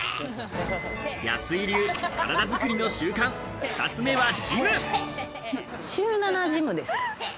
安井流、体作りの習慣、２つ目は週７ジムです。